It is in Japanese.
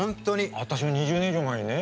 私２０年以上前にね